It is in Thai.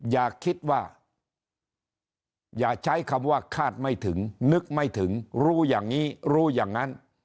อย่าคิดว่าอย่าใช้คำว่าคาดไม่ถึงนึกไม่ถึงรู้อย่างนี้รู้อย่างนั้น